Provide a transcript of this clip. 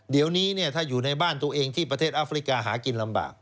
เดี๋ยวนี้ถ้าอยู่ในบ้านตัวเองที่ประเทศอัฟริกาหากินลำบาก